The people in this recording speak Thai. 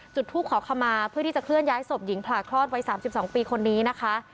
จุดทูปขอขมาเพื่อที่จะเคลื่อนย้ายศพหญิงผลาคลอดวัย๓๒ปีคนนี้นะคะ